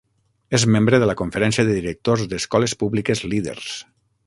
És membre de la Conferència de Directors d'escoles públiques líders.